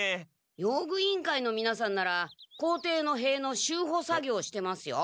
用具委員会のみなさんなら校庭のへいの修補作業してますよ。